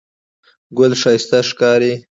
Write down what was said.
ګل ښایسته ښکاري.